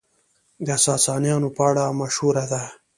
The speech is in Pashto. د ساسانيانو په اړه مشهوره ده،